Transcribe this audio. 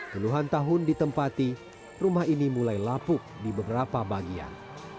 puluhan tahun ditempati rumah ini mulai lapuk di beberapa bagian